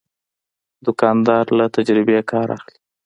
دوکاندار له تجربې کار اخلي.